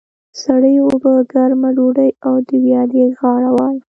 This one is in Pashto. سړې اوبه، ګرمه ډودۍ او د ویالې غاړه وای.